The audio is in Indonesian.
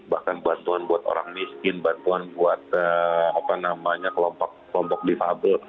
bahkan bantuan buat orang miskin bantuan buat kelompok defable